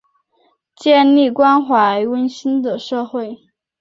建立关怀温馨的社会